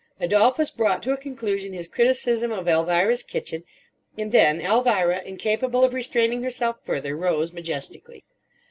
Adolphus brought to a conclusion his criticism of Elvira's kitchen; and then Elvira, incapable of restraining herself further, rose majestically.